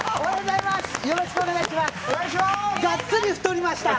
がっつり太りました！